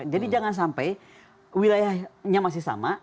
jadi jangan sampai wilayahnya masih sama